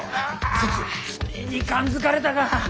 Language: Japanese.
ついに感づかれたか。